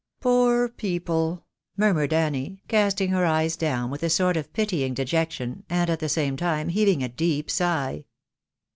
" Poor people !" murmured Annie, casting her eyes down with a sort of pitying dejection, and at the same time heaving a deep sigh.